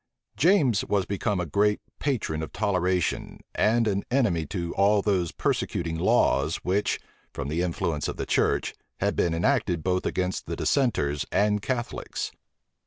James was become a great patron of toleration, and an enemy to all those persecuting laws which, from the influence of the church, had been enacted both against the dissenters and Catholics.